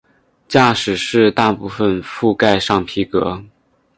驾驶室大部份覆盖上皮革。